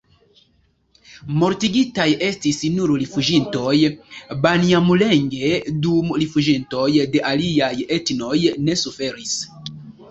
Mortigitaj estis nur rifuĝintoj-banjamulenge, dum rifuĝintoj de aliaj etnoj ne suferis.